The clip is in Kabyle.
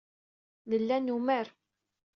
Nella numar.